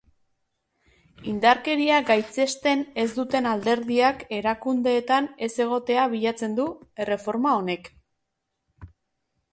Indarkeria gaitzesten ez duten alderdiak erakundeetan ez egotea bilatzen du erreforma honek.